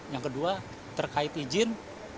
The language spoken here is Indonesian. yang kedua terkait izin